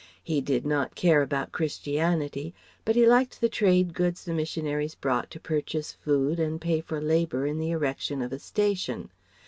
He did not care about Christianity but he liked the trade goods the missionaries brought to purchase food and pay for labour in the erection of a station.